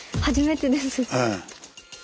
初めてです。